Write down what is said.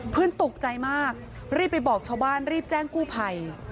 เพื่อนตกใจมากรีบไปบอกชาวบ้านรีบแจ้งกู้ไผ่